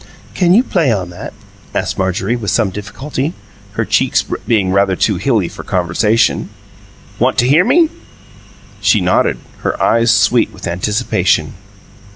"Can you play on that?" asked Marjorie, with some difficulty, her cheeks being rather too hilly for conversation. "Want to hear me?" She nodded, her eyes sweet with anticipation.